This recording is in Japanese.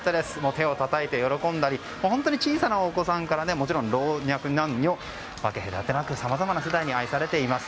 手をたたいて喜んだり本当に小さなお子さんから老若男女、分け隔てなくさまざまな世代に愛されています。